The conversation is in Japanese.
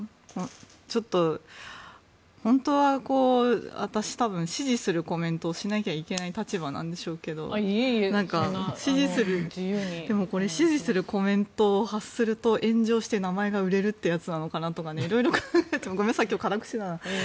ちょっと本当は私、多分支持するコメントをしなければいけない立場なんでしょうけどでも、これ支持するコメントを発すると炎上して名前が売れるってやつなのかなって色々考えるとごめんなさい、今日、辛口だ。